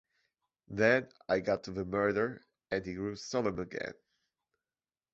Then I got to the murder, and he grew solemn again.